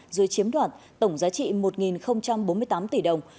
dưới chiếm đoạt tổng giá trị một bốn mươi tám tỷ đồng